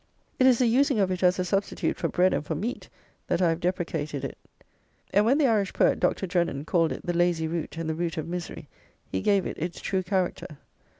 It is the using of it as a substitute for bread and for meat, that I have deprecated it; and when the Irish poet, Dr. Drennen, called it "the lazy root, and the root of misery," he gave it its true character.